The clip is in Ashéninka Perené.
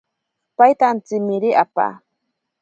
Paita antsimiri apa.